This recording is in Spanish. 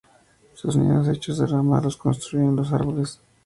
Sus nidos hechos de ramas los construyen en los árboles.